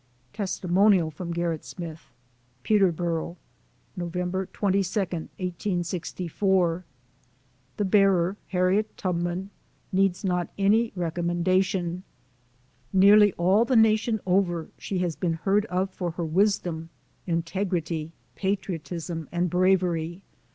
Testimonial from G err it Smith. PETERBORO, Nov. 22, 1864. The bearer, Harriet Tubman, needs not any rec ommendation. Nearly all the nation over, she has been heard of for her wisdom, integrity, patriotism, and bravery.